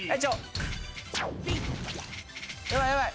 やばいやばい。